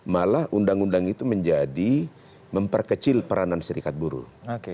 malah undang undang itu menjadi memperkecil peranan serikat buruh